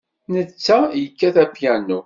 Netta yekkat apyanu.